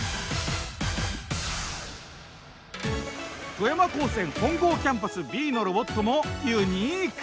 富山高専本郷キャンパスＢのロボットもユニーク。